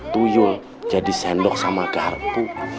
tuyul jadi sendok sama garpu